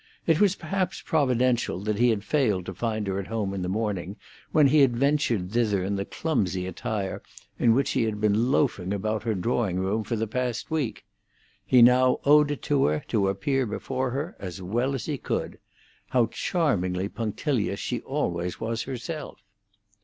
It was perhaps providential that he had failed to find her at home in the morning, when he had ventured thither in the clumsy attire in which he had been loafing about her drawing room for the past week. He now owed it to her to appear before her as well as he could. How charmingly punctilious she always was herself!